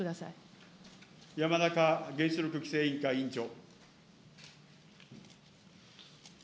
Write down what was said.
山中原子力規制委員会委員長。